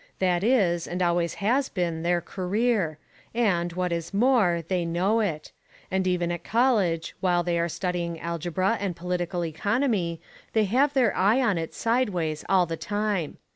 That is, and always has been, their career; and, what is more, they know it; and even at college, while they are studying algebra and political economy, they have their eye on it sideways all the time.